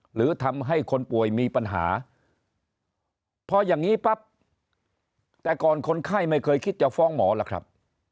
หรือทำให้คนป่วยมีปัญหาพออย่างนี้ปั๊บแต่ก่อนคนไข้ไม่เคยคิดจะฟ้องหมอล่ะครับ